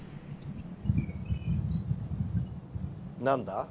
何だ？